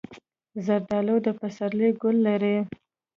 زردالو د پسرلي ګل لري.